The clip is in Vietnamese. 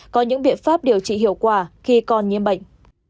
có những biện pháp điều trị hiệu quả khi còn nhiễm bệnh